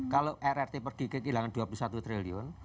kalau rrt pergi kehilangan dua puluh satu triliun